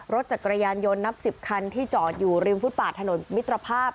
รถจักรยานยนต์นับ๑๐คันที่จอดอยู่ริมฟุตบาทถนนมิตรภาพ